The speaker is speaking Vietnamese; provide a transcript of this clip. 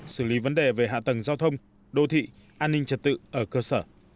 xử lý vấn đề về hạ tầng giao thông đô thị an ninh trật tự ở cơ sở